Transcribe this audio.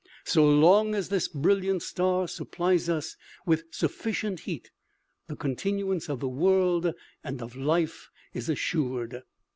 So long as this brilliant star supplies us with sufficient heat the continuance of the world and of life is assured.